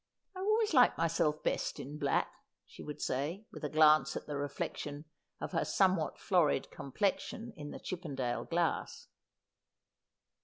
' I always like fmyself best in black,' she would say, with a glance at the reflection of her somewhat florid complexion in the Chippendale glass.